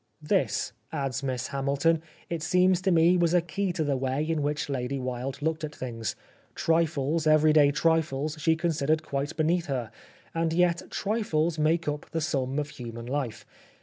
This," adds Miss Hamilton, " it seems to me, was a key to the way in which Lady Wilde looked at things. Trifles, everyday trifles, she considered quite beneath her ; and yet trifles 76 The Life of Oscar Wilde make up the sum of human Ufe.